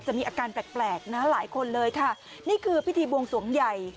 มีอาการแปลกแปลกนะหลายคนเลยค่ะนี่คือพิธีบวงสวงใหญ่